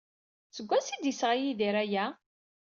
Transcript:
Seg wansi ay d-yesɣa Yidir aya?